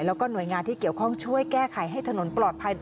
แล้วก็หน่วยงานที่เกี่ยวข้องช่วยแก้ไขให้ถนนปลอดภัย